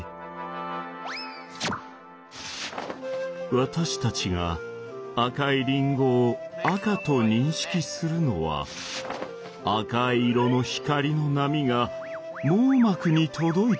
私たちが赤いリンゴを赤と認識するのは赤い色の光の波が網膜に届いているから。